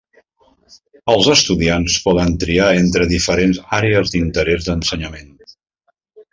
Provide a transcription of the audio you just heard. Els estudiants poden triar entre diferents àrees d'interès d'ensenyament.